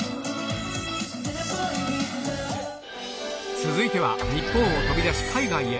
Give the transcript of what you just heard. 続いては、日本を飛び出し、海外へ。